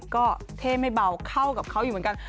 แล้วชุดแบบใหม่ก็เท่ไม่เบาเข้ากับเขาอยู่เหมือนกัน